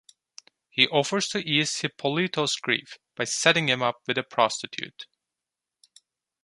He offers to ease Hippolito's grief by setting him up with a prostitute.